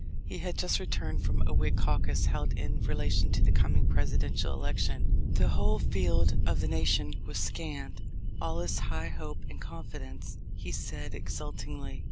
He had just returned from a Whig caucus held in relation to the coming Presidential election. "The whole field of the nation was scanned ; all is high hope and confidence," he said exultingly.